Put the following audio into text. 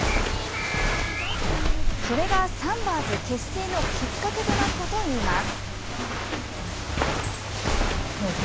それが、三婆ズ結成のきっかけとなったといいます。